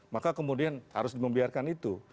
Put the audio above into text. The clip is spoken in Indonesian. maka kemudian harus membiarkan itu